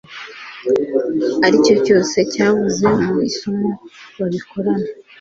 aricyo cyose cyavuzwe mu isomo babikorana